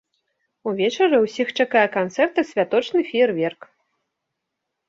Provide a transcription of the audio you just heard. Увечары ўсіх чакае канцэрт і святочны феерверк.